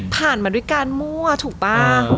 มาด้วยการมั่วถูกป่ะ